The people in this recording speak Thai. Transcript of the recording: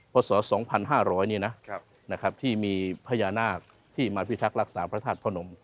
พศ๒๕๐๐นี่นะที่มีพญานาคที่มาพิทักษ์รักษาพระธาตุพระนม